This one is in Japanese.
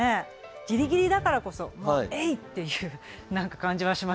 ギリギリだからこそ「もうえい！」っていう何か感じはしますけど。